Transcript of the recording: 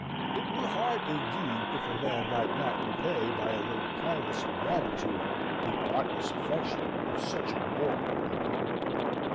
It were hard, indeed, if a man might not repay by a little kindness and gratitude the artless affection of such a warm young heart.